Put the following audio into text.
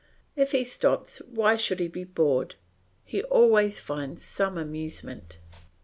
If he stops, why should he be bored? He always finds some amusement.